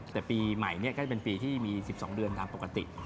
แต่ปีใหม่นี้ก็จะเป็นปีที่มี๑๒เดือนตามปกติ